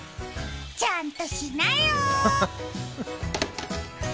ちゃんとしなよ！